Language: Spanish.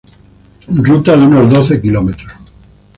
Ruta de unos doce kilómetros.